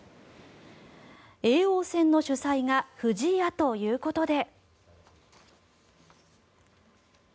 叡王戦の主催が不二家ということで。